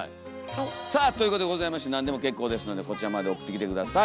さあということでございまして何でも結構ですのでこちらまで送ってきて下さい。